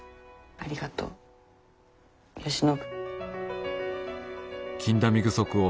ありがとう吉信。